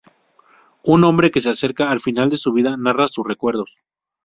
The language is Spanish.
Un hombre que se acerca al final de su vida narra su recuerdos.